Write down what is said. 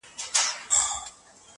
• وتاته زه په خپله لپه كي.